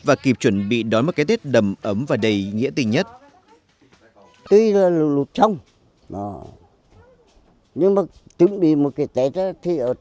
và kịp chuẩn bị đón một cái tết đầm ấm và đầy nghĩa tình nhất